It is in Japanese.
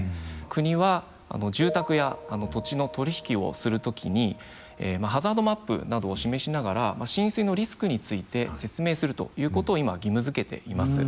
国は住宅や土地の取り引きをする時にハザードマップなどを示しながら浸水のリスクについて説明するということを今義務づけています。